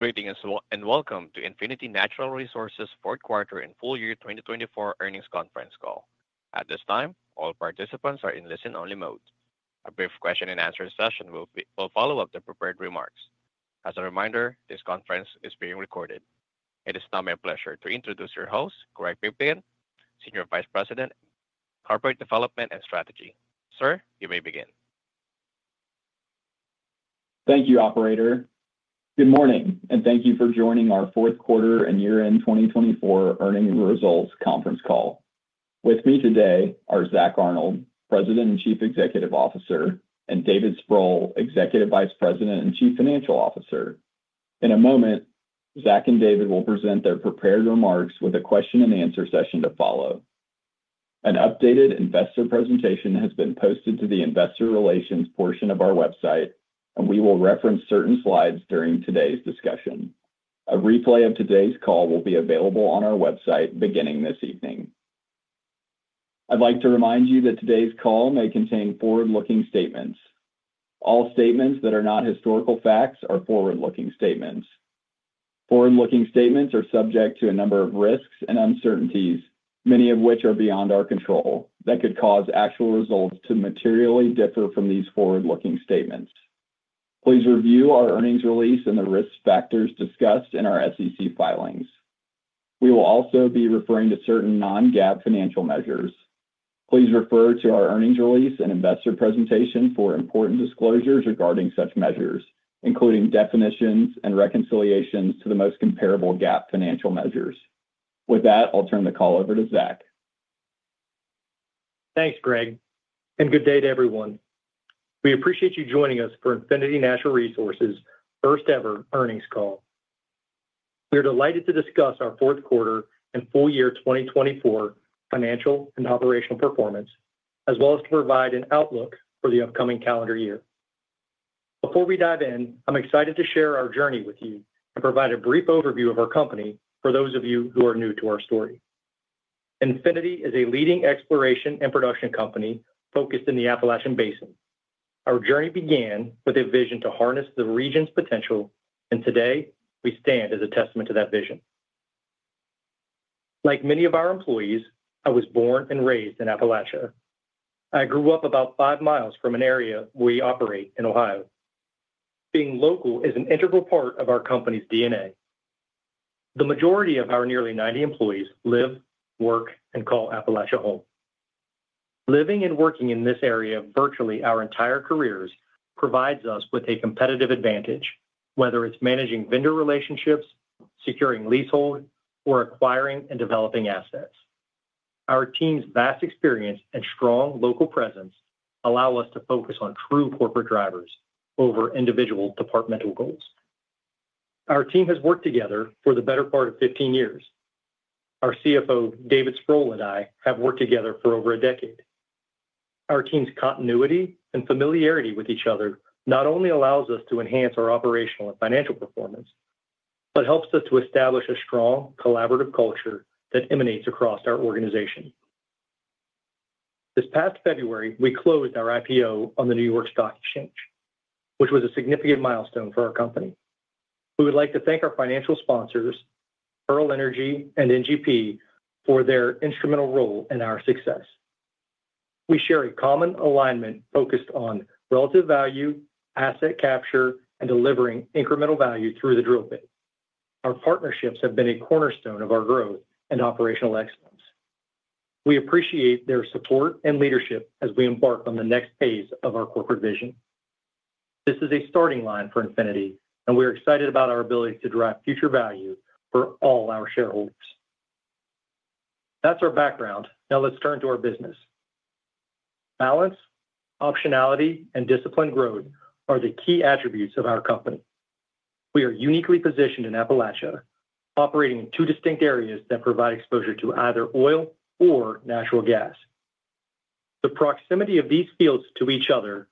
Greetings and welcome to Infinity Natural Resources' fourth quarter and full year 2024 earnings conference call. At this time, all participants are in listen-only mode. A brief question-and-answer session will follow up the prepared remarks. As a reminder, this conference is being recorded. It is now my pleasure to introduce your host, Gregory Pipkin, Senior Vice President, Corporate Development and Strategy. Sir, you may begin. Thank you, Operator. Good morning, and thank you for joining our fourth quarter and year-end 2024 earning results conference call. With me today are Zack Arnold, President and Chief Executive Officer, and David Sproule, Executive Vice President and Chief Financial Officer. In a moment, Zack and David will present their prepared remarks with a question-and-answer session to follow. An updated investor presentation has been posted to the Investor Relations portion of our website, and we will reference certain slides during today's discussion. A replay of today's call will be available on our website beginning this evening. I'd like to remind you that today's call may contain forward-looking statements. All statements that are not historical facts are forward-looking statements. Forward-looking statements are subject to a number of risks and uncertainties, many of which are beyond our control, that could cause actual results to materially differ from these forward-looking statements. Please review our earnings release and the risk factors discussed in our SEC filings. We will also be referring to certain non-GAAP financial measures. Please refer to our earnings release and investor presentation for important disclosures regarding such measures, including definitions and reconciliations to the most comparable GAAP financial measures. With that, I'll turn the call over to Zack. Thanks, Greg, and good day to everyone. We appreciate you joining us for Infinity Natural Resources' first-ever earnings call. We are delighted to discuss our fourth quarter and full year 2024 financial and operational performance, as well as to provide an outlook for the upcoming calendar year. Before we dive in, I'm excited to share our journey with you and provide a brief overview of our company for those of you who are new to our story. Infinity is a leading exploration and production company focused in the Appalachian Basin. Our journey began with a vision to harness the region's potential, and today we stand as a testament to that vision. Like many of our employees, I was born and raised in Appalachia. I grew up about five miles from an area where we operate in Ohio. Being local is an integral part of our company's DNA. The majority of our nearly 90 employees live, work, and call Appalachia home. Living and working in this area virtually our entire careers provides us with a competitive advantage, whether it's managing vendor relationships, securing leasehold, or acquiring and developing assets. Our team's vast experience and strong local presence allow us to focus on true corporate drivers over individual departmental goals. Our team has worked together for the better part of 15 years. Our CFO, David Sproule, and I have worked together for over a decade. Our team's continuity and familiarity with each other not only allows us to enhance our operational and financial performance, but helps us to establish a strong collaborative culture that emanates across our organization. This past February, we closed our IPO on the New York Stock Exchange, which was a significant milestone for our company. We would like to thank our financial sponsors, Pearl Energy and NGP, for their instrumental role in our success. We share a common alignment focused on relative value, asset capture, and delivering incremental value through the drill bit. Our partnerships have been a cornerstone of our growth and operational excellence. We appreciate their support and leadership as we embark on the next phase of our corporate vision. This is a starting line for Infinity, and we are excited about our ability to drive future value for all our shareholders. That's our background. Now let's turn to our business. Balance, optionality, and disciplined growth are the key attributes of our company. We are uniquely positioned in Appalachia, operating in two distinct areas that provide exposure to either oil or natural gas. The proximity of these fields to each other,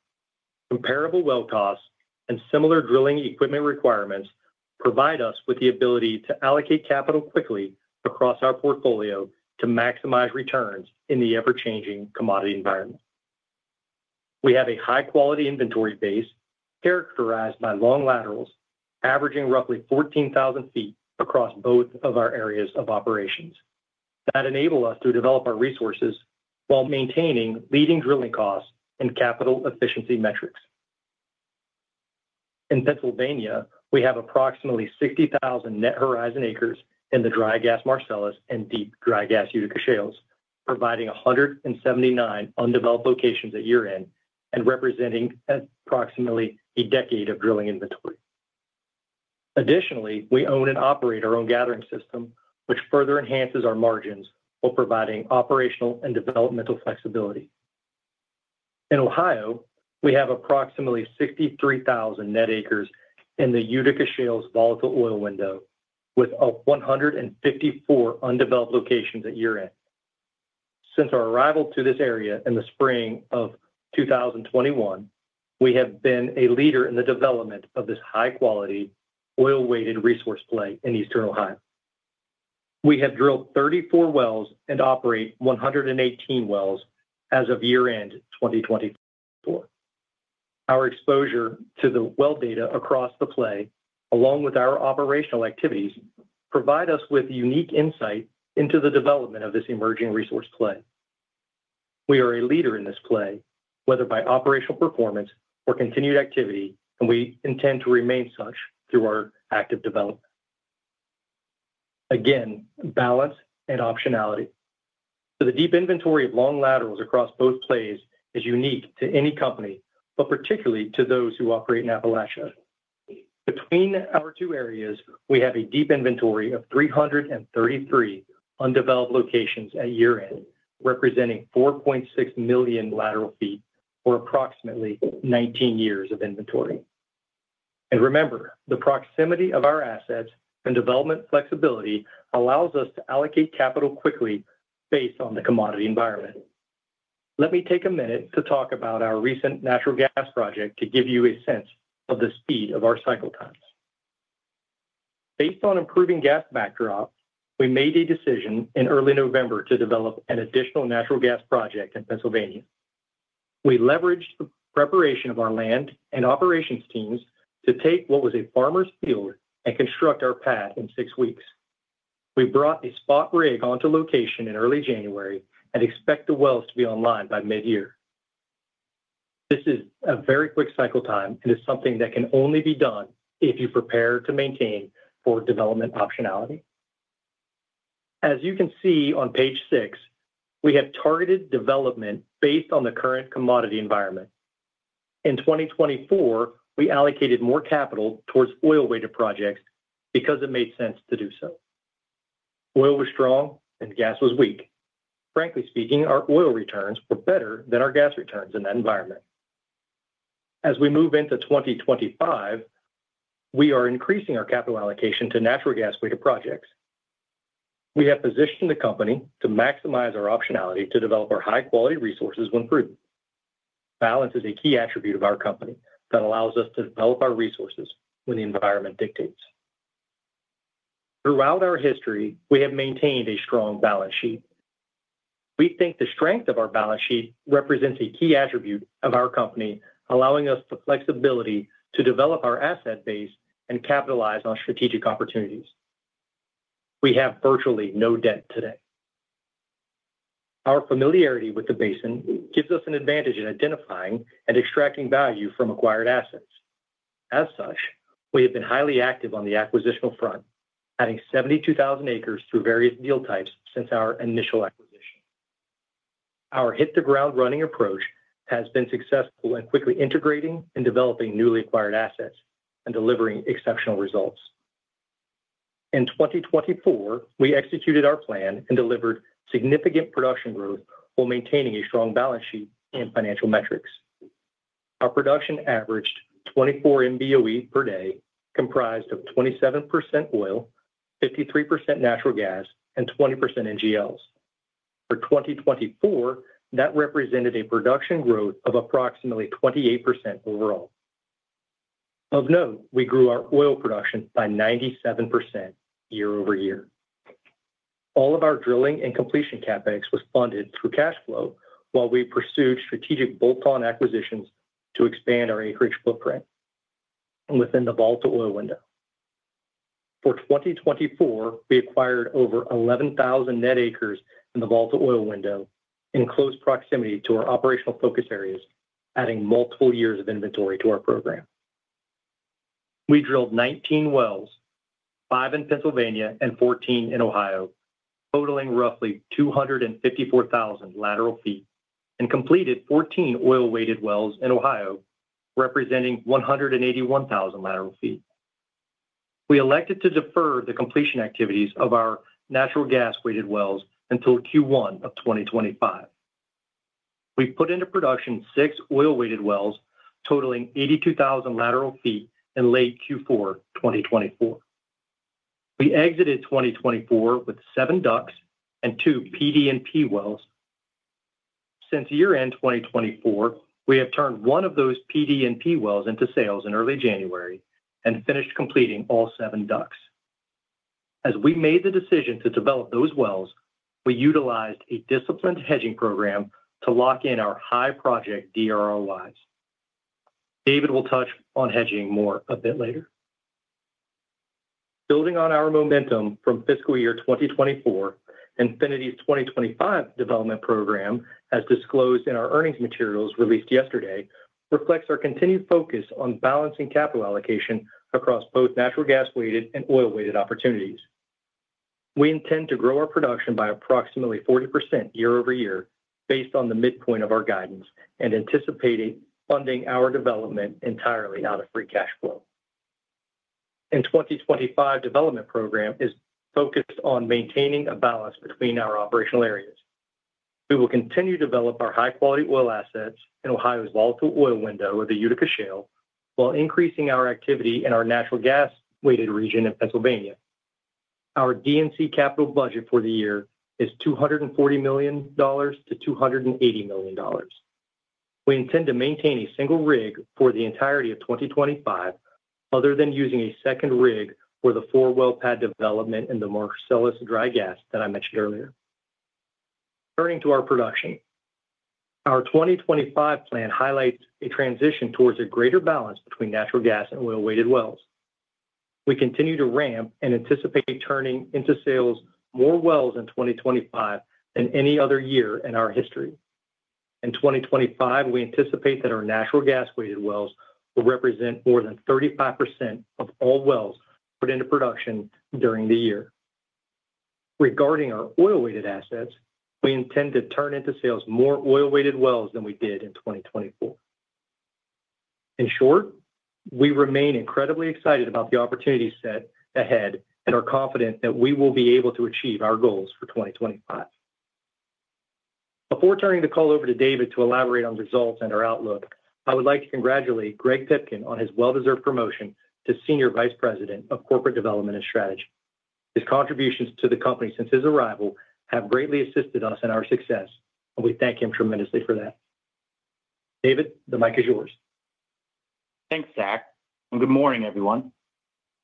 comparable well costs, and similar drilling equipment requirements provide us with the ability to allocate capital quickly across our portfolio to maximize returns in the ever-changing commodity environment. We have a high-quality inventory base characterized by long laterals averaging roughly 14,000 feet across both of our areas of operations. That enables us to develop our resources while maintaining leading drilling costs and capital efficiency metrics. In Pennsylvania, we have approximately 60,000 net horizon acres in the dry gas Marcellus and deep dry gas Utica Shales, providing 179 undeveloped locations at year-end and representing approximately a decade of drilling inventory. Additionally, we own and operate our own gathering system, which further enhances our margins while providing operational and developmental flexibility. In Ohio, we have approximately 63,000 net acres in the Utica Shale volatile oil window, with 154 undeveloped locations at year-end. Since our arrival to this area in the spring of 2021, we have been a leader in the development of this high-quality oil-weighted resource play in Eastern Ohio. We have drilled 34 wells and operate 118 wells as of year-end 2024. Our exposure to the well data across the play, along with our operational activities, provides us with unique insight into the development of this emerging resource play. We are a leader in this play, whether by operational performance or continued activity, and we intend to remain such through our active development. Again, balance and optionality. The deep inventory of long laterals across both plays is unique to any company, but particularly to those who operate in Appalachia. Between our two areas, we have a deep inventory of 333 undeveloped locations at year-end, representing 4.6 million lateral feet or approximately 19 years of inventory. Remember, the proximity of our assets and development flexibility allows us to allocate capital quickly based on the commodity environment. Let me take a minute to talk about our recent natural gas project to give you a sense of the speed of our cycle times. Based on improving gas backdrop, we made a decision in early November to develop an additional natural gas project in Pennsylvania. We leveraged the preparation of our land and operations teams to take what was a farmer's field and construct our pad in six weeks. We brought a spot rig onto location in early January and expect the wells to be online by mid-year. This is a very quick cycle time and is something that can only be done if you prepare to maintain for development optionality. As you can see on page six, we have targeted development based on the current commodity environment. In 2024, we allocated more capital towards oil-weighted projects because it made sense to do so. Oil was strong and gas was weak. Frankly speaking, our oil returns were better than our gas returns in that environment. As we move into 2025, we are increasing our capital allocation to natural gas-weighted projects. We have positioned the company to maximize our optionality to develop our high-quality resources when prudent. Balance is a key attribute of our company that allows us to develop our resources when the environment dictates. Throughout our history a key attribute of our company, allowing us the flexibility to develop our asset base and capitalize on strategic our history, we have maintained a strong balance sheet. We think the strength of our balance sheet represent opportunities. We have virtually no debt today. Our familiarity with the basin gives us an advantage in identifying and extracting value from acquired assets. As such, we have been highly active on the acquisitional front, adding 72,000 acres through various deal types since our initial acquisition. Our hit-the-ground running approach has been successful in quickly integrating and developing newly acquired assets and delivering exceptional results. In 2024, we executed our plan and delivered significant production growth while maintaining a strong balance sheet and financial metrics. Our production averaged 24 MBOE per day, comprised of 27% oil, 53% natural gas, and 20% NGLs. For 2024, that represented a production growth of approximately 28% overall. Of note, we grew our oil production by 97% year-over-year. All of our drilling and completion CapEx was funded through cash flow while we pursued strategic bolt-on acquisitions to expand our acreage footprint within the volatile oil window. For 2024, we acquired over 11,000 net acres in the volatile oil window in close proximity to our operational focus areas, adding multiple years of inventory to our program. We drilled 19 wells, five in Pennsylvania and 14 in Ohio, totaling roughly 254,000 lateral feet, and completed 14 oil-weighted wells in Ohio, representing 181,000 lateral feet. We elected to defer the completion activities of our natural gas-weighted wells until Q1 of 2025. We put into production six oil-weighted wells, totaling 82,000 lateral feet in late Q4 2024. We exited 2024 with seven DUCs and two PDP wells. Since year-end 2024, we have turned one of those PDP wells into sales in early January and finished completing all seven DUCs. As we made the decision to develop those wells, we utilized a disciplined hedging program to lock in our high project DROIs. David will touch on hedging more a bit later. Building on our momentum from fiscal year 2024, Infinity's 2025 development program, as disclosed in our earnings materials released yesterday, reflects our continued focus on balancing capital allocation across both natural gas-weighted and oil-weighted opportunities. We intend to grow our production by approximately 40% year-over-year based on the midpoint of our guidance and anticipating funding our development entirely out of free cash flow. In 2025, the development program is focused on maintaining a balance between our operational areas. We will continue to develop our high-quality oil assets in Ohio's volatile oil window of the Utica Shale while increasing our activity in our natural gas-weighted region in Pennsylvania. Our D&C capital budget for the year is $240 million-$280 million. We intend to maintain a single rig for the entirety of 2025, other than using a second rig for the four well pad development in the Marcellus dry gas that I mentioned earlier. Turning to our production, our 2025 plan highlights a transition towards a greater balance between natural gas and oil-weighted wells. We continue to ramp and anticipate turning into sales more wells in 2025 than any other year in our history. In 2025, we anticipate that our natural gas-weighted wells will represent more than 35% of all wells put into production during the year. Regarding our oil-weighted assets, we intend to turn into sales more oil-weighted wells than we did in 2024. In short, we remain incredibly excited about the opportunity set ahead and are confident that we will be able to achieve our goals for 2025. Before turning the call over to David to elaborate on results and our outlook, I would like to congratulate Greg Pipkin on his well-deserved promotion to Senior Vice President of Corporate Development and Strategy. His contributions to the company since his arrival have greatly assisted us in our success, and we thank him tremendously for that. David, the mic is yours. Thanks, Zack. Good morning, everyone.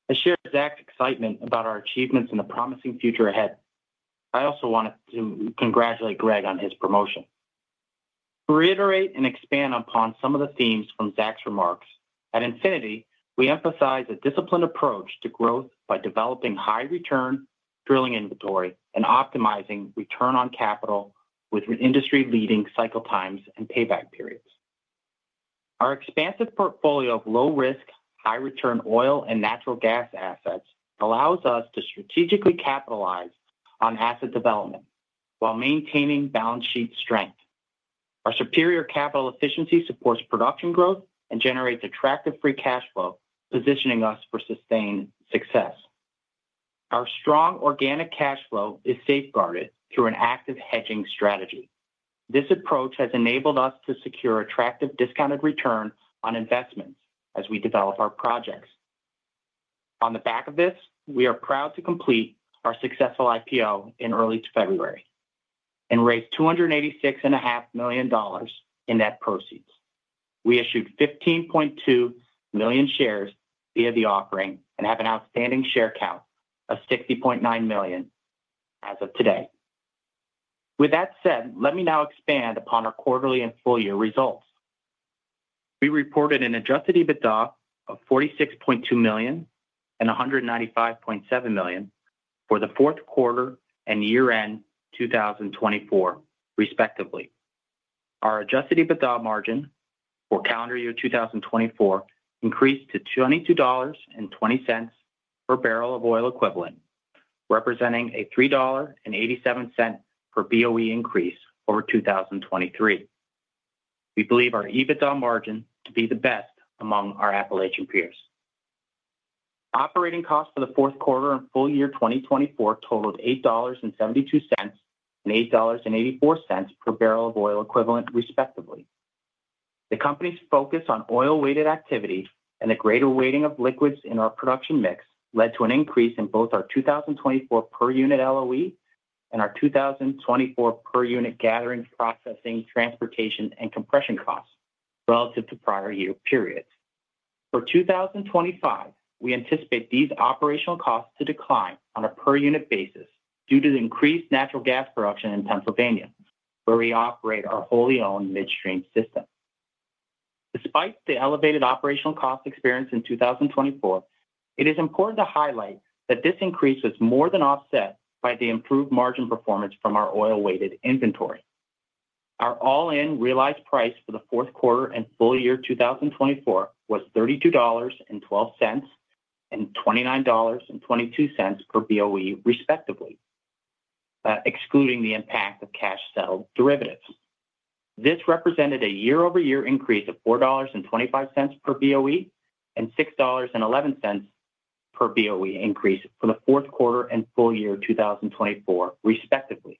I share Zack's excitement about our achievements and the promising future ahead. I also wanted to congratulate Greg on his promotion. To reiterate and expand upon some of the themes from Zack's remarks, at Infinity, we emphasize a disciplined approach to growth by developing high-return drilling inventory and optimizing return on capital with industry-leading cycle times and payback periods. Our expansive portfolio of low-risk, high-return oil and natural gas assets allows us to strategically capitalize on asset development while maintaining balance sheet strength. Our superior capital efficiency supports production growth and generates attractive free cash flow, positioning us for sustained success. Our strong organic cash flow is safeguarded through an active hedging strategy. This approach has enabled us to secure attractive discounted return on investments as we develop our projects. On the back of this, we are proud to complete our successful IPO in early February and raised $286.5 million in net proceeds. We issued 15.2 million shares via the offering and have an outstanding share count of 60.9 million as of today. With that said, let me now expand upon our quarterly and full-year results. We reported an Adjusted EBITDA of $46.2 million and $195.7 million for the fourth quarter and year-end 2024, respectively. Our Adjusted EBITDA margin for calendar year 2024 increased to $22.20 per barrel of oil equivalent, representing a $3.87 per BOE increase over 2023. We believe our EBITDA margin to be the best among our Appalachian peers. Operating costs for the fourth quarter and full-year 2024 totaled $8.72 and $8.84 per barrel of oil equivalent, respectively. The company's focus on oil-weighted activity and the greater weighting of liquids in our production mix led to an increase in both our 2024 per unit LOE and our 2024 per unit gathering, processing, transportation, and compression costs relative to prior year periods. For 2025, we anticipate these operational costs to decline on a per unit basis due to the increased natural gas production in Pennsylvania, where we operate our wholly owned midstream system. Despite the elevated operational cost experience in 2024, it is important to highlight that this increase was more than offset by the improved margin performance from our oil-weighted inventory. Our all-in realized price for the fourth quarter and full-year 2024 was $32.12 and $29.22 per BOE, respectively, excluding the impact of cash-settled derivatives. This represented a year-over-year increase of $4.25 per BOE and $6.11 per BOE increase for the fourth quarter and full-year 2024, respectively,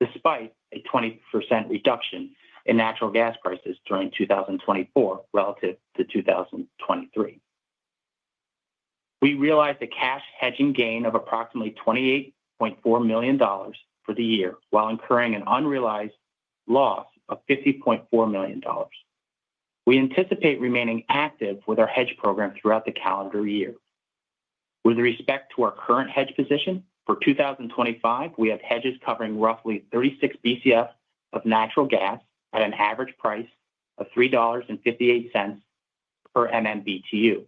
despite a 20% reduction in natural gas prices during 2024 relative to 2023. We realized a cash hedging gain of approximately $28.4 million for the year while incurring an unrealized loss of $50.4 million. We anticipate remaining active with our hedge program throughout the calendar year. With respect to our current hedge position for 2025, we have hedges covering roughly 36 BCF of natural gas at an average price of $3.58 per MMBTU.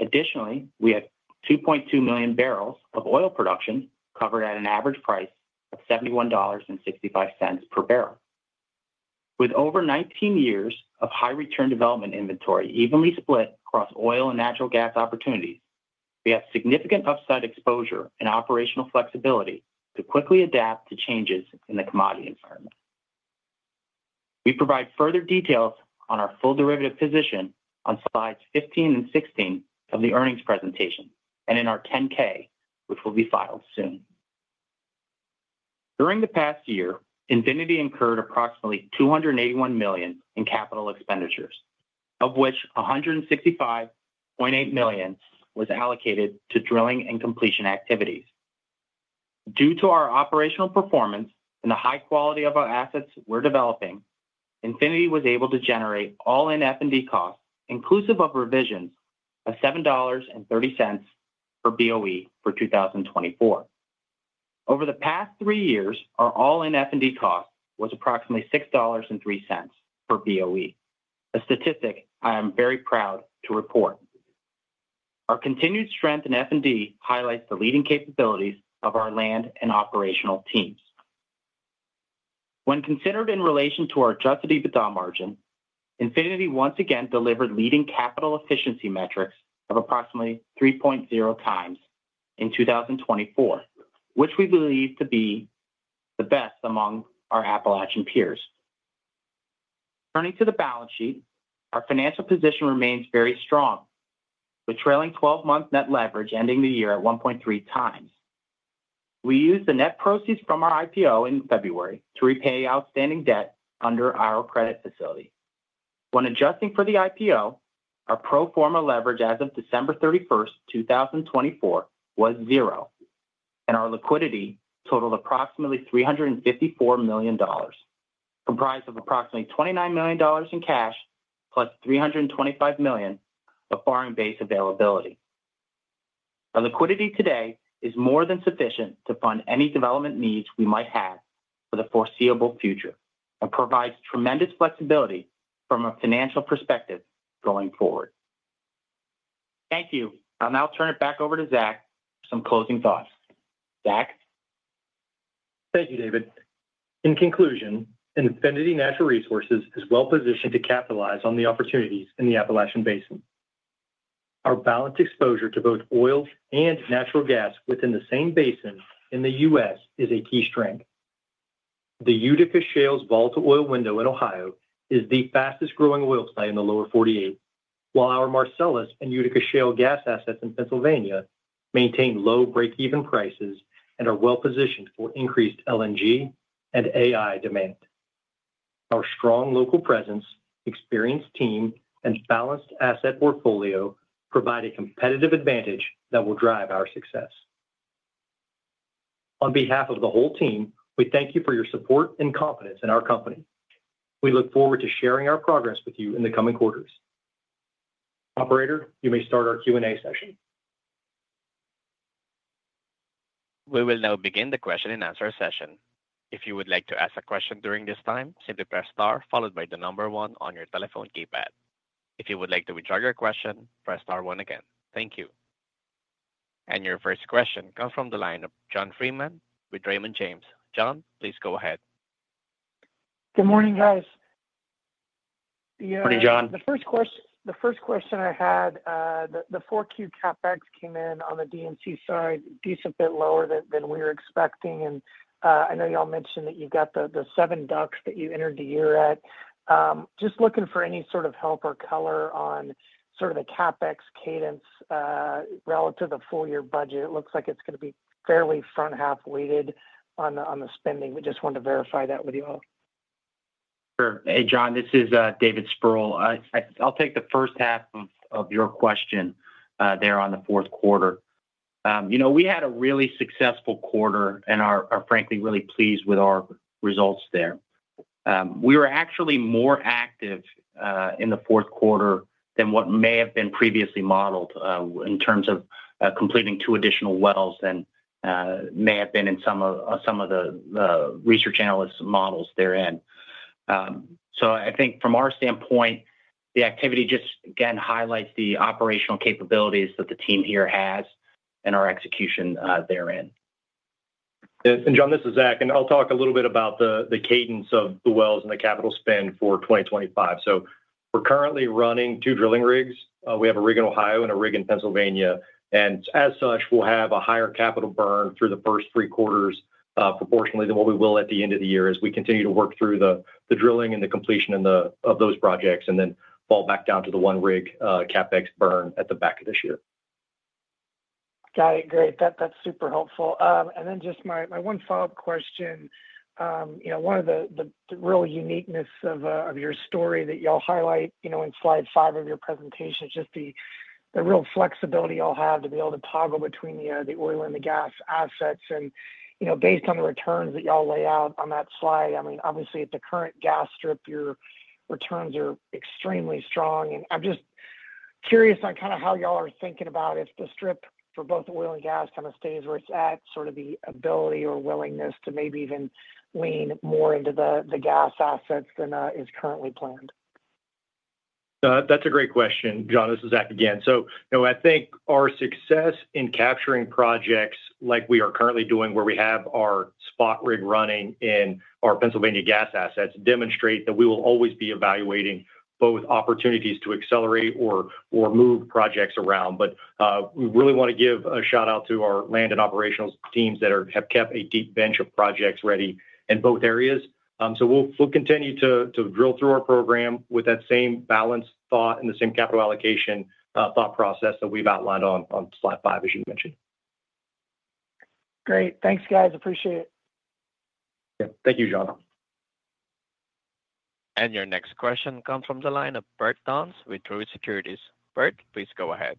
Additionally, we have 2.2 million barrels of oil production covered at an average price of $71.65 per barrel. With over 19 years of high-return development inventory evenly split across oil and natural gas opportunities, we have significant upside exposure and operational flexibility to quickly adapt to changes in the commodity environment. We provide further details on our full derivative position on slides 15 and 16 of the earnings presentation and in our 10-K, which will be filed soon. During the past year, Infinity incurred approximately $281 million in capital expenditures, of which $165.8 million was allocated to drilling and completion activities. Due to our operational performance and the high quality of our assets we're developing, Infinity was able to generate all-in F&D costs, inclusive of revisions, of $7.30 per BOE for 2024. Over the past three years, our all-in F&D cost was approximately $6.03 per BOE, a statistic I am very proud to report. Our continued strength in F&D highlights the leading capabilities of our land and operational teams. When considered in relation to our Adjusted EBITDA margin, Infinity once again delivered leading capital efficiency metrics of approximately 3.0 times in 2024, which we believe to be the best among our Appalachian peers. Turning to the balance sheet, our financial position remains very strong, with trailing 12-month net leverage ending the year at 1.3 times. We used the net proceeds from our IPO in February to repay outstanding debt under our credit facility. When adjusting for the IPO, our pro forma leverage as of December 31st, 2024, was zero, and our liquidity totaled approximately $354 million, comprised of approximately $29 million in cash plus $325 million of borrowing base availability. Our liquidity today is more than sufficient to fund any development needs we might have for the foreseeable future and provides tremendous flexibility from a financial perspective going forward. Thank you. I'll now turn it back over to Zack for some closing thoughts. Zack. Thank you, David. In conclusion, Infinity Natural Resources is well positioned to capitalize on the opportunities in the Appalachian Basin. Our balanced exposure to both oil and natural gas within the same basin in the U.S. is a key strength. The Utica Shale's volatile oil window in Ohio is the fastest-growing oil site in the lower 48, while our Marcellus and Utica Shale gas assets in Pennsylvania maintain low break-even prices and are well positioned for increased LNG and AI demand. Our strong local presence, experienced team, and balanced asset portfolio provide a competitive advantage that will drive our success. On behalf of the whole team, we thank you for your support and confidence in our company. We look forward to sharing our progress with you in the coming quarters. Operator, you may start our Q&A session. We will now begin the question and answer session. If you would like to ask a question during this time, simply press star followed by the number one on your telephone keypad. If you would like to withdraw your question, press star one again. Thank you. Your first question comes from the line of John Freeman with Raymond James. John, please go ahead. Good morning, guys. Good morning, John. The first question I had, the fourth quarter CapEx came in on the D&C side a decent bit lower than we were expecting. I know y'all mentioned that you got the seven DUCs that you entered the year at. Just looking for any sort of help or color on sort of the CapEx cadence relative to the full-year budget. It looks like it's going to be fairly front-half weighted on the spending. We just wanted to verify that with you all. Sure. Hey, John, this is David Sproule. I'll take the first half of your question there on the fourth quarter. We had a really successful quarter and are, frankly, really pleased with our results there. We were actually more active in the fourth quarter than what may have been previously modeled in terms of completing two additional wells than may have been in some of the research analyst models therein. I think from our standpoint, the activity just, again, highlights the operational capabilities that the team here has and our execution therein. John, this is Zack. I'll talk a little bit about the cadence of the wells and the capital spend for 2025. We are currently running two drilling rigs. We have a rig in Ohio and a rig in Pennsylvania. As such, we will have a higher capital burn through the first three quarters proportionately than what we will at the end of the year as we continue to work through the drilling and the completion of those projects and then fall back down to the one rig CapEx burn at the back of this year. Got it. Great. That's super helpful. Just my one follow-up question. One of the real uniqueness of your story that y'all highlight in slide five of your presentation is just the real flexibility y'all have to be able to toggle between the oil and the gas assets. Based on the returns that y'all lay out on that slide, I mean, obviously, at the current gas strip, your returns are extremely strong. I'm just curious on kind of how y'all are thinking about if the strip for both oil and gas kind of stays where it's at, sort of the ability or willingness to maybe even lean more into the gas assets than is currently planned. That's a great question. John, this is Zack again. I think our success in capturing projects like we are currently doing, where we have our spot rig running in our Pennsylvania gas assets, demonstrates that we will always be evaluating both opportunities to accelerate or move projects around. We really want to give a shout-out to our land and operational teams that have kept a deep bench of projects ready in both areas. We'll continue to drill through our program with that same balance thought and the same capital allocation thought process that we've outlined on slide five, as you mentioned. Great. Thanks, guys. Appreciate it. Yeah. Thank you, John. Your next question comes from the line of Bert Thons with Truist Securities. Bert, please go ahead.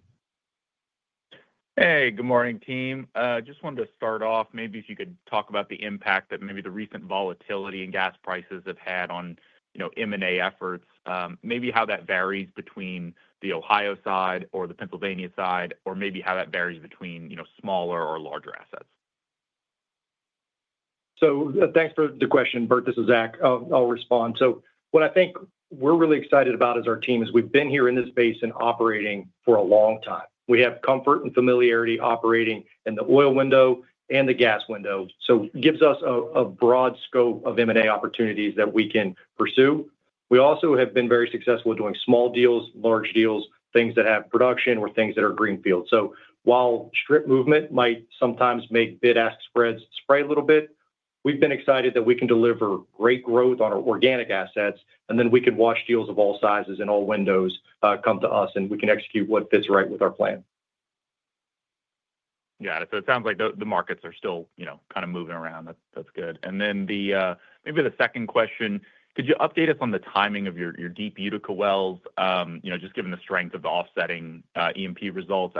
Hey, good morning, team. Just wanted to start off maybe if you could talk about the impact that maybe the recent volatility in gas prices have had on M&A efforts, maybe how that varies between the Ohio side or the Pennsylvania side, or maybe how that varies between smaller or larger assets. Thanks for the question. Bert, this is Zack. I'll respond. What I think we're really excited about as our team is we've been here in this space and operating for a long time. We have comfort and familiarity operating in the oil window and the gas window. It gives us a broad scope of M&A opportunities that we can pursue. We also have been very successful doing small deals, large deals, things that have production or things that are greenfield. While strip movement might sometimes make bid-ask spreads spray a little bit, we've been excited that we can deliver great growth on our organic assets, and then we can watch deals of all sizes and all windows come to us, and we can execute what fits right with our plan. Got it. It sounds like the markets are still kind of moving around. That's good. Maybe the second question, could you update us on the timing of your deep Utica wells, just given the strength of the offsetting EMP results?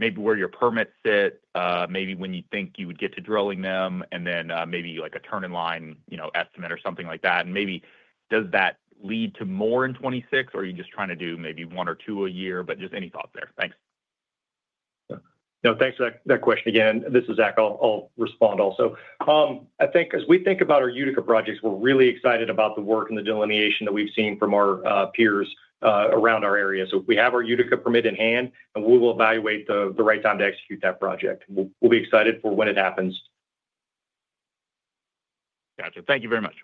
Maybe where your permits sit, maybe when you think you would get to drilling them, and then maybe a turn-in line estimate or something like that. Maybe does that lead to more in 2026, or are you just trying to do maybe one or two a year? Just any thoughts there? Thanks. No, thanks for that question again. This is Zack. I'll respond also. I think as we think about our Utica projects, we're really excited about the work and the delineation that we've seen from our peers around our area. We have our Utica permit in hand, and we will evaluate the right time to execute that project. We'll be excited for when it happens. Gotcha. Thank you very much.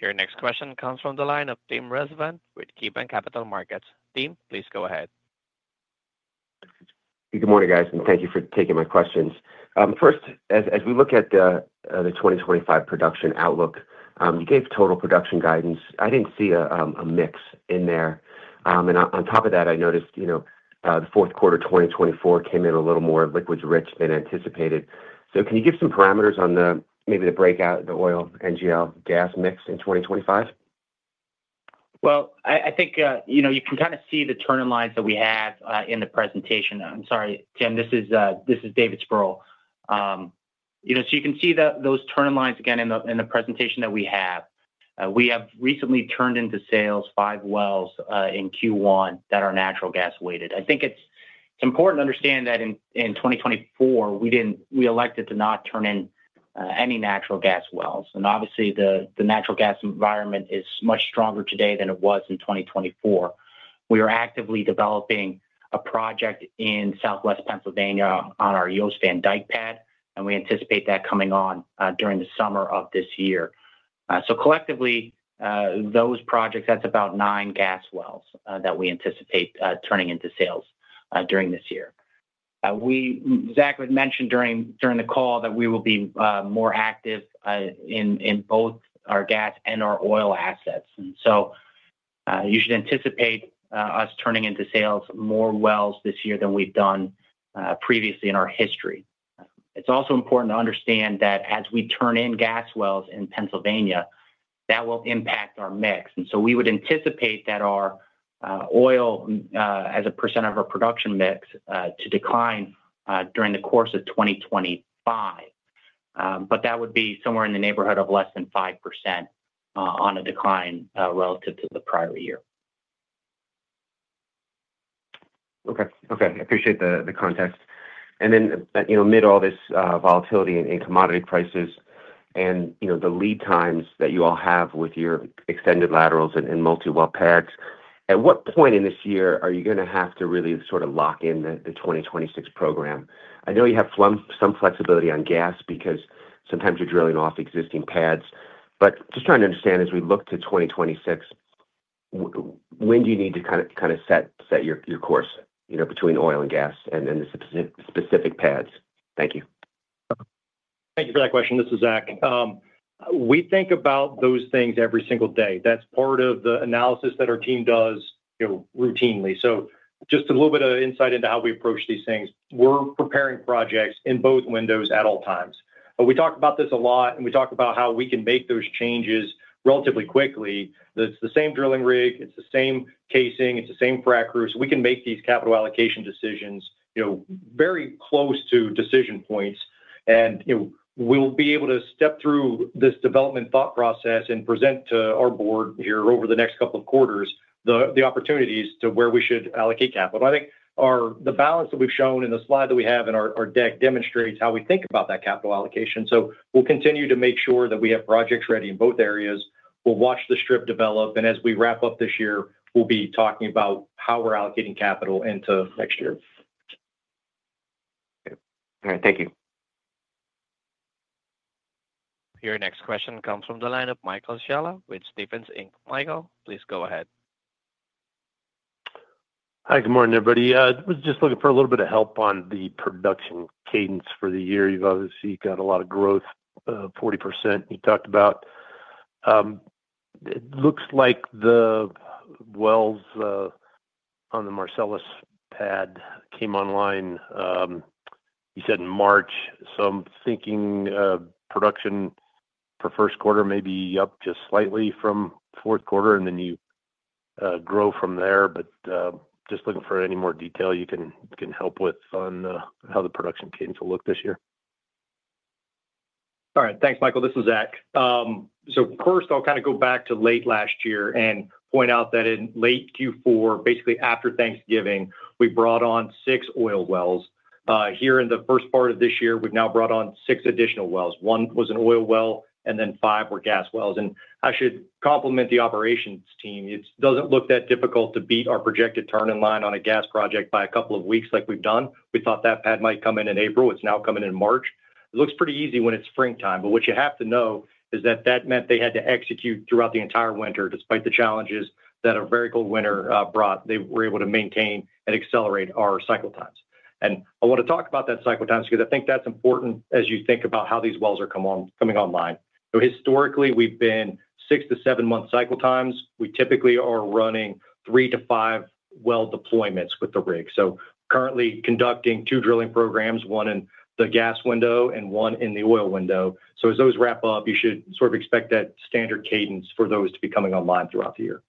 Your next question comes from the line of Tim Rezvan with KeyBanc Capital Markets. Tim, please go ahead. Good morning, guys, and thank you for taking my questions. First, as we look at the 2025 production outlook, you gave total production guidance. I did not see a mix in there. On top of that, I noticed the fourth quarter 2024 came in a little more liquids-rich than anticipated. Can you give some parameters on maybe the breakout, the oil, NGL, gas mix in 2025? I think you can kind of see the turn-in lines that we have in the presentation. I'm sorry, Tim. This is David Sproule. You can see those turn-in lines again in the presentation that we have. We have recently turned into sales five wells in Q1 that are natural gas weighted. I think it is important to understand that in 2024, we elected to not turn in any natural gas wells. Obviously, the natural gas environment is much stronger today than it was in 2024. We are actively developing a project in southwest Pennsylvania on our Joseph Van Dyke pad, and we anticipate that coming on during the summer of this year. Collectively, those projects, that's about nine gas wells that we anticipate turning into sales during this year. Zack had mentioned during the call that we will be more active in both our gas and our oil assets. You should anticipate us turning into sales more wells this year than we've done previously in our history. It's also important to understand that as we turn in gas wells in Pennsylvania, that will impact our mix. We would anticipate that our oil as a % of our production mix to decline during the course of 2025. That would be somewhere in the neighborhood of less than 5% on a decline relative to the prior year. Okay. Okay. I appreciate the context. Amid all this volatility in commodity prices and the lead times that you all have with your extended laterals and multi-well pads, at what point in this year are you going to have to really sort of lock in the 2026 program? I know you have some flexibility on gas because sometimes you're drilling off existing pads. Just trying to understand as we look to 2026, when do you need to kind of set your course between oil and gas and the specific pads? Thank you. Thank you for that question. This is Zack. We think about those things every single day. That's part of the analysis that our team does routinely. Just a little bit of insight into how we approach these things. We're preparing projects in both windows at all times. We talk about this a lot, and we talk about how we can make those changes relatively quickly. It's the same drilling rig. It's the same casing. It's the same frac crew. We can make these capital allocation decisions very close to decision points. We'll be able to step through this development thought process and present to our board here over the next couple of quarters the opportunities to where we should allocate capital. I think the balance that we've shown in the slide that we have in our deck demonstrates how we think about that capital allocation. We'll continue to make sure that we have projects ready in both areas. We'll watch the strip develop. As we wrap up this year, we'll be talking about how we're allocating capital into next year. All right. Thank you. Your next question comes from the line of Michael Scialla with Stephens Inc. Michael, please go ahead. Hi. Good morning, everybody. I was just looking for a little bit of help on the production cadence for the year. You've obviously got a lot of growth, 40% you talked about. It looks like the wells on the Marcellus pad came online, you said, in March. I am thinking production for first quarter may be up just slightly from fourth quarter, and then you grow from there. Just looking for any more detail you can help with on how the production came to look this year. All right. Thanks, Michael. This is Zack. First, I'll kind of go back to late last year and point out that in late Q4, basically after Thanksgiving, we brought on six oil wells. Here in the first part of this year, we've now brought on six additional wells. One was an oil well, and then five were gas wells. I should compliment the operations team. It doesn't look that difficult to beat our projected turn-in line on a gas project by a couple of weeks like we've done. We thought that pad might come in in April. It's now coming in March. It looks pretty easy when it's springtime. What you have to know is that that meant they had to execute throughout the entire winter despite the challenges that a very cold winter brought. They were able to maintain and accelerate our cycle times. I want to talk about that cycle times because I think that's important as you think about how these wells are coming online. Historically, we've been six to seven-month cycle times. We typically are running three to five well deployments with the rig. Currently conducting two drilling programs, one in the gas window and one in the oil window. As those wrap up, you should sort of expect that standard cadence for those to be coming online throughout the year.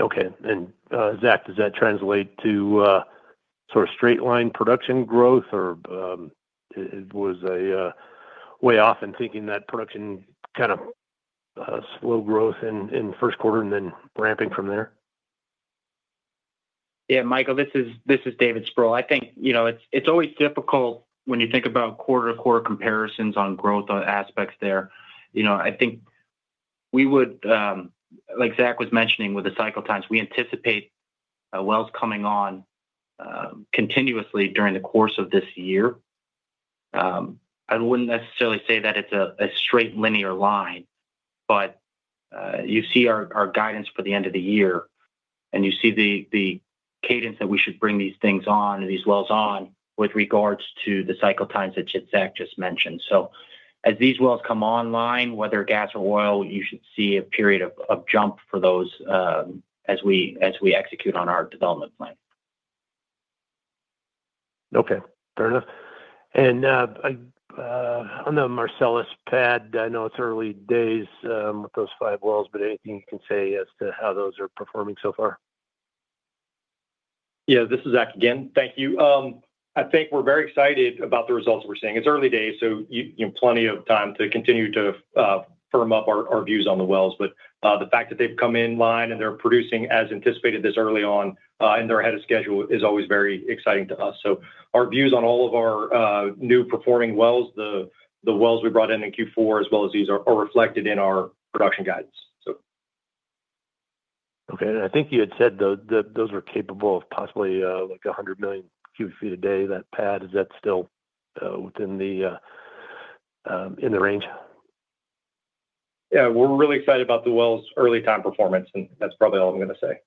Okay. Zack, does that translate to sort of straight-line production growth, or was I way off in thinking that production kind of slow growth in first quarter and then ramping from there? Yeah, Michael, this is David Sproule. I think it's always difficult when you think about quarter-to-quarter comparisons on growth aspects there. I think we would, like Zack was mentioning with the cycle times, we anticipate wells coming on continuously during the course of this year. I would not necessarily say that it is a straight linear line, but you see our guidance for the end of the year, and you see the cadence that we should bring these things on, these wells on with regards to the cycle times that Zack just mentioned. As these wells come online, whether gas or oil, you should see a period of jump for those as we execute on our development plan. Okay. Fair enough. On the Marcellus pad, I know it is early days with those five wells, but anything you can say as to how those are performing so far? Yeah. This is Zack again. Thank you. I think we are very excited about the results we are seeing. It's early days, so plenty of time to continue to firm up our views on the wells. The fact that they've come in line and they're producing as anticipated this early on and they're ahead of schedule is always very exciting to us. Our views on all of our new performing wells, the wells we brought in in Q4 as well as these, are reflected in our production guidance. Okay. I think you had said those were capable of possibly like 100 million cubic feet a day. That pad, is that still within the range? Yeah. We're really excited about the wells' early-time performance, and that's probably all I'm going to say.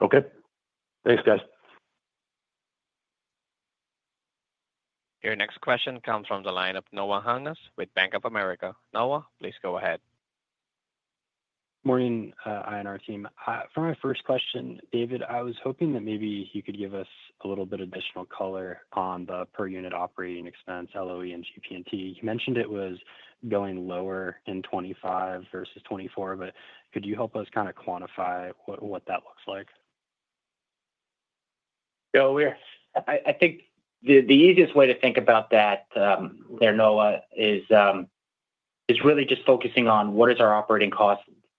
Okay. Thanks, guys. Your next question comes from the line of Noel Hernandez with Bank of America. Noel, please go ahead. Good morning, I and our team. For my first question, David, I was hoping that maybe you could give us a little bit of additional color on the per-unit operating expense, LOE and GP&T. You mentioned it was going lower in 2025 versus 2024, but could you help us kind of quantify what that looks like? Yeah. I think the easiest way to think about that there, Noel, is really just focusing on what is our operating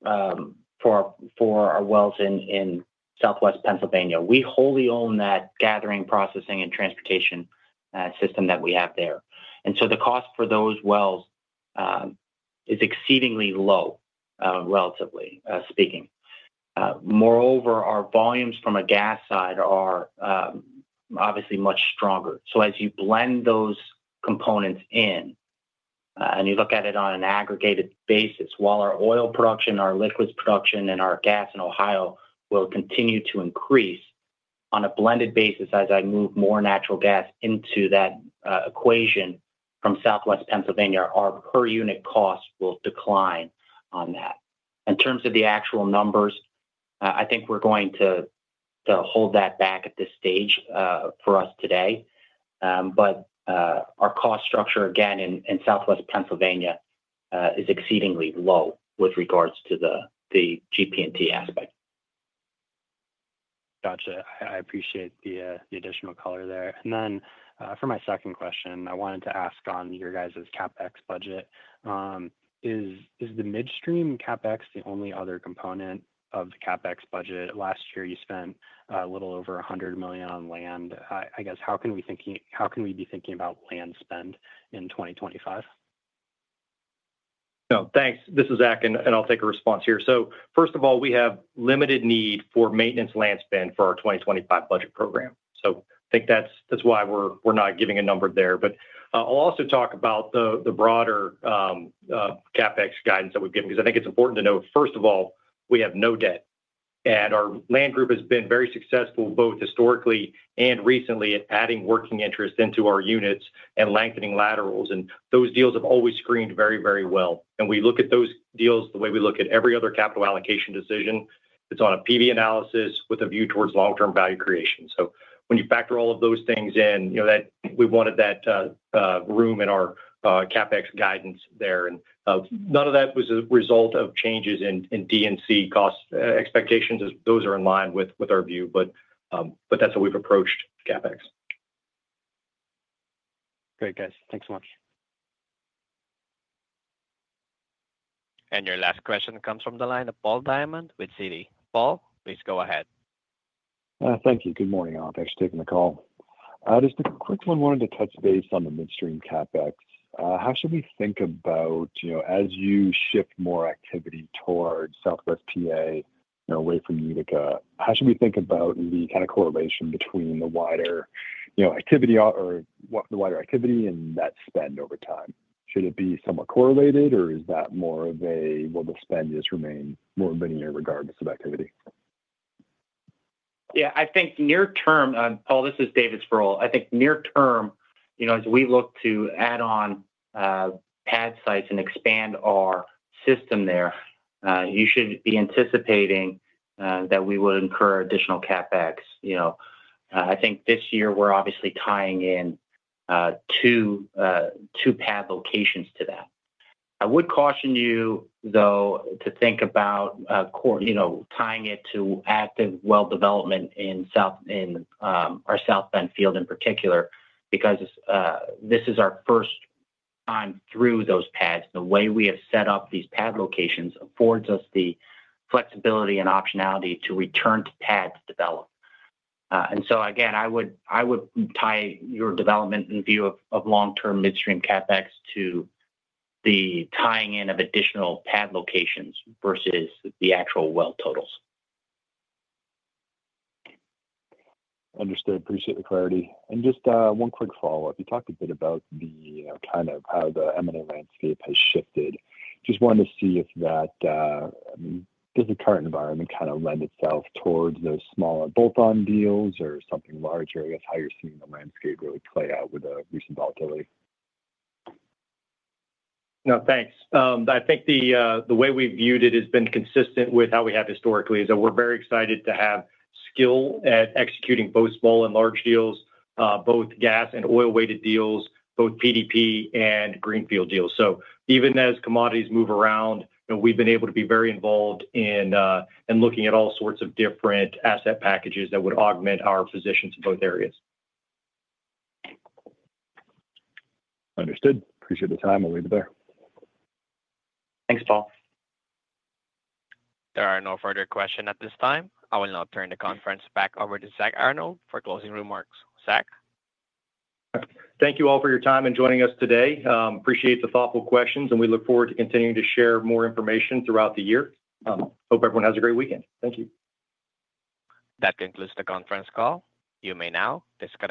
cost for our wells in southwest Pennsylvania. We wholly own that gathering, processing, and transportation system that we have there. The cost for those wells is exceedingly low, relatively speaking. Moreover, our volumes from a gas side are obviously much stronger. As you blend those components in and you look at it on an aggregated basis, while our oil production, our liquids production, and our gas in Ohio will continue to increase on a blended basis as I move more natural gas into that equation from southwest Pennsylvania, our per-unit cost will decline on that. In terms of the actual numbers, I think we're going to hold that back at this stage for us today. Our cost structure, again, in southwest Pennsylvania is exceedingly low with regards to the GP&T aspect. Gotcha. I appreciate the additional color there. For my second question, I wanted to ask on your guys' CapEx budget. Is the midstream CapEx the only other component of the CapEx budget? Last year, you spent a little over $100 million on land. I guess, how can we be thinking about land spend in 2025? No. Thanks. This is Zack, and I'll take a response here. First of all, we have limited need for maintenance land spend for our 2025 budget program. I think that's why we're not giving a number there. I'll also talk about the broader CapEx guidance that we've given because I think it's important to know, first of all, we have no debt. Our land group has been very successful both historically and recently at adding working interest into our units and lengthening laterals. Those deals have always screened very, very well. We look at those deals the way we look at every other capital allocation decision. It's on a PV analysis with a view towards long-term value creation. When you factor all of those things in, we wanted that room in our CapEx guidance there. None of that was a result of changes in D&C cost expectations as those are in line with our view. That is how we have approached CapEx. Great, guys. Thanks so much. Your last question comes from the line of Paul Diamond with Citi. Paul, please go ahead. Thank you. Good morning, Alex, taking the call. Just a quick one, wanted to touch base on the midstream CapEx. How should we think about as you shift more activity towards southwest PA, away from Utica? How should we think about the kind of correlation between the wider activity or the wider activity and that spend over time? Should it be somewhat correlated, or is that more of a, the spend just remains more linear regardless of activity? I think near-term, Paul, this is David Sproule. I think near-term, as we look to add on pad sites and expand our system there, you should be anticipating that we would incur additional CapEx. I think this year, we're obviously tying in two pad locations to that. I would caution you, though, to think about tying it to active well development in our Southwest field in particular because this is our first time through those pads. The way we have set up these pad locations affords us the flexibility and optionality to return to pad develop. I would tie your development and view of long-term midstream CapEx to the tying in of additional pad locations versus the actual well totals. Understood. Appreciate the clarity. Just one quick follow-up. You talked a bit about kind of how the M&A landscape has shifted. Just wanted to see if that, I mean, does the current environment kind of lend itself towards those smaller bolt-on deals or something larger, I guess, how you're seeing the landscape really play out with the recent volatility? No, thanks. I think the way we've viewed it has been consistent with how we have historically, is that we're very excited to have skill at executing both small and large deals, both gas and oil-weighted deals, both PDP and Greenfield deals. Even as commodities move around, we've been able to be very involved in looking at all sorts of different asset packages that would augment our position to both areas. Understood. Appreciate the time. I'll leave it there. Thanks, Paul. There are no further questions at this time. I will now turn the conference back over to Zack Arnold for closing remarks. Zack? Thank you all for your time and joining us today. Appreciate the thoughtful questions, and we look forward to continuing to share more information throughout the year. Hope everyone has a great weekend. Thank you. That concludes the conference call. You may now disconnect.